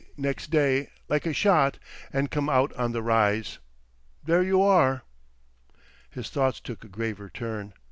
next day, like a shot, and come out on the rise. There you are!" His thoughts took a graver turn.